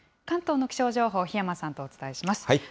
関東の気象情報、檜山さんとお伝えします。